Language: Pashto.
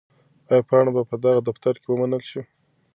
آیا پاڼه به په دغه دفتر کې ومنل شي؟